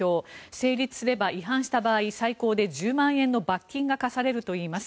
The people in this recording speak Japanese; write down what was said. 成立すれば違反した場合最高で１０万円の罰金が科されるといいます。